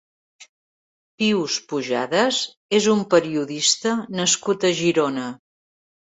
Pius Pujades és un periodista nascut a Girona.